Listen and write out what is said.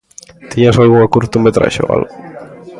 Tiñas algunha curtametraxe ou algo?